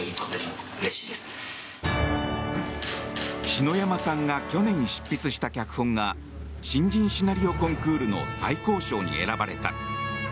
篠山さんが去年、執筆した脚本が新人シナリオコンクールの最高賞に選ばれた。